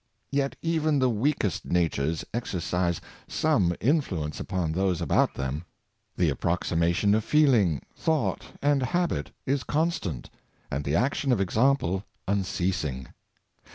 Yet even the weakest natures exercise some influence upon those about them. The approxi mation of feeling, thought and habit is constant, and the action of example unceasing.